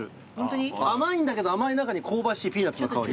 甘いんだけど甘い中に香ばしいピーナッツの香り。